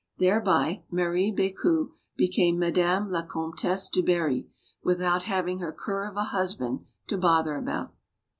Thereby, Marie Becu became Madame la Comtesse du Barry, without having her cur of a husband to bother about.